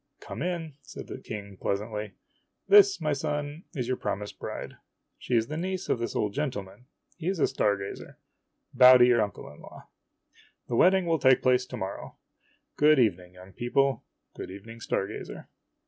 "Come in," said the King pleasantly. "This, my son, is your promised bride. She is the niece of this old gentleman. He is a star gazer. Bow to your uncle in law. The wedding will take place to morrow. Good evening, young people. Good evening, star gazer."